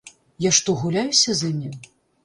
Я што, гуляюся з імі?